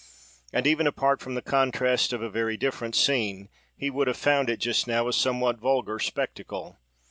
And even apart from the contrast of a very different scene, he would have found it, just now, a somewhat vulgar spectacle.